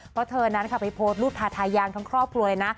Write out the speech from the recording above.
เพราะเธอนั้นค่ะไปโพสต์รูปทาทายางทั้งครอบครัวเลยนะ